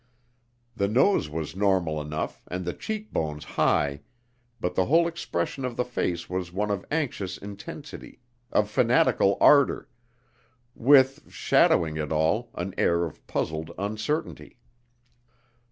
The nose was normal enough and the cheek bones high, but the whole expression of the face was one of anxious intensity, of fanatical ardor, with, shadowing it all, an air of puzzled uncertainty.